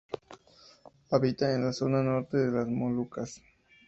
Habita en la zona norte de las Molucas.